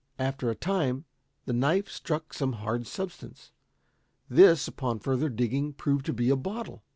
After a time the knife struck some hard substance. This, upon further digging, proved to be a bottle.